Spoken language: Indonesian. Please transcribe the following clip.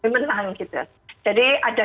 menang gitu jadi ada